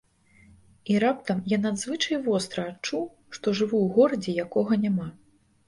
І раптам я надзвычай востра адчуў, што жыву ў горадзе, якога няма.